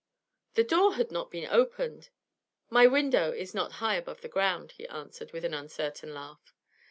'The door had not been opened ' 'My window is not high above the ground,' he answered, with an uncertain laugh.